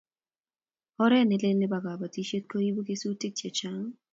oret ne lel nebo kabatisiet ko ibu kesutik che chang'